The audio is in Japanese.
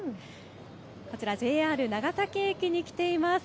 こちら、ＪＲ長崎駅に来ています。